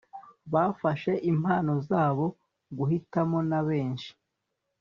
Bafashe impano zabo guhitamo na benshi